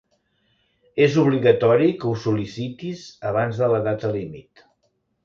És obligatori que ho sol·licitis abans de la data límit.